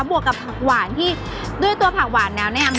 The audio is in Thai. วกกับผักหวานที่ด้วยตัวผักหวานแล้วเนี่ย